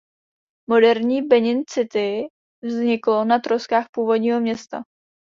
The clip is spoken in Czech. Moderní Benin City vzniklo na troskách původního města.